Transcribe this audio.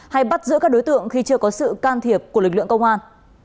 hay bắt giữ các đối tượng khi chưa có sự can thiệp của lực lượng công an